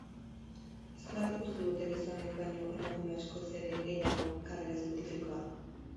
Zergatik uzten dute gizonek baino emakume askoz ere gehiagok karrera zientifikoa?